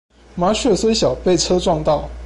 麻雀雖小，被車撞到